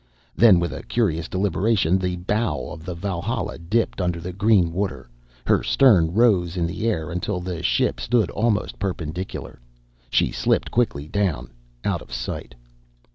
Then, with a curious deliberation, the bow of the Valhalla dipped under green water; her stern rose in the air until the ship stood almost perpendicular. She slipped quickly down, out of sight.